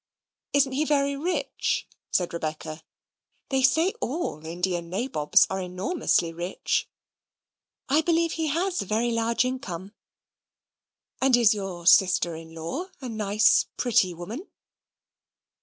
"Isn't he very rich?" said Rebecca. "They say all Indian nabobs are enormously rich." "I believe he has a very large income." "And is your sister in law a nice pretty woman?"